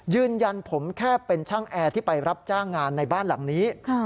ยืนยันผมแค่เป็นช่างแอร์ที่ไปรับจ้างงานในบ้านหลังนี้